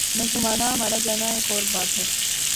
مظلومانہ مارا جانا ایک اور بات ہے۔